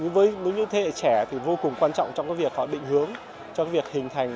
với những thế hệ trẻ thì vô cùng quan trọng trong việc họ định hướng cho việc hình thành